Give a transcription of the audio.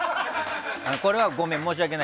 これはごめん、申し訳ない。